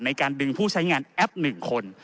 ในการดึงผู้ใช้งานแอป๑คน